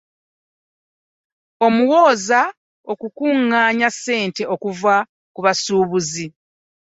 Omuwooza akunganya ssente okuva ku basubuzi.